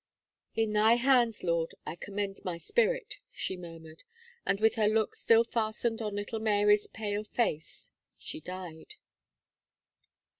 "In Thy hands, Lord, I commend my spirit," she murmured, and with her look still fastened on little Mary's pale face, she died.